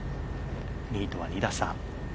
２位とは２打差。